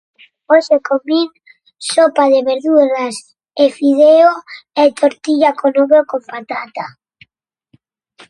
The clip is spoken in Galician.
Hoxe comín sopa de verduras e fideo e tortilla con ovo e con patata.